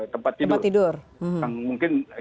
tempat tidur mungkin